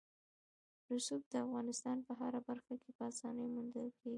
رسوب د افغانستان په هره برخه کې په اسانۍ موندل کېږي.